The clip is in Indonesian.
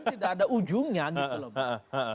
tidak ada ujungnya gitu loh pak